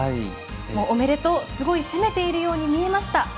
おめでとう、すごい攻めているように見えました。